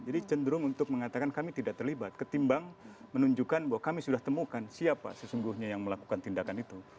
jadi cenderung untuk mengatakan kami tidak terlibat ketimbang menunjukkan bahwa kami sudah temukan siapa sesungguhnya yang melakukan tindakan itu